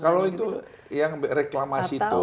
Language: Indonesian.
kalau itu yang reklamasi itu